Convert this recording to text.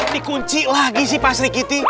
dikunci lagi sih pak sri giti